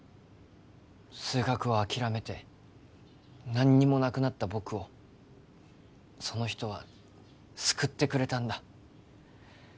数学を諦めて何にもなくなった僕をその人は救ってくれたんだ